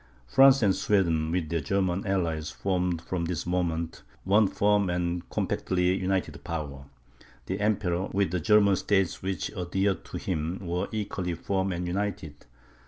France and Sweden, with their German allies, formed, from this moment, one firm and compactly united power; the Emperor, with the German states which adhered to him, were equally firm and united.